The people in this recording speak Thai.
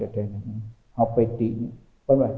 เข้าไปตี้